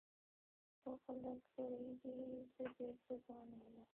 ټول خلک زړېږي زه بېرته ځوانېږم.